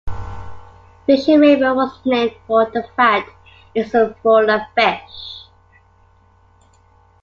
Fishing River was named for the fact it is full of fish.